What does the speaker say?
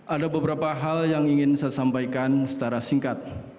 ada beberapa hal yang ingin saya sampaikan secara singkat